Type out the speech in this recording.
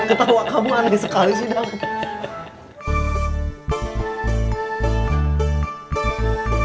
ih ketawa kamu aneh sekali sih dong